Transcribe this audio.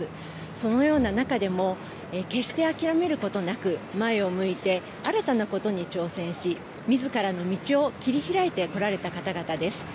そのような中でも、決して諦めることなく、前を向いて新たなことに挑戦し、みずからの道を切り開いてこられた方々です。